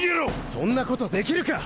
そんなことできるか！